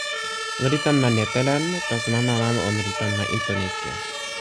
ona li tan ma Netelan, taso mama mama ona li tan ma Intonesija.